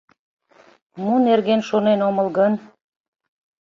Мо нерген шонен омыл гын?!